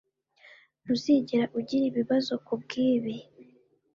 Ntuzigera ugira ibibazo kubwibi